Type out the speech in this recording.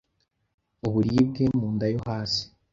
uburibwe mu nda yo hasi